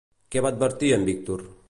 Què va advertir en Víctor?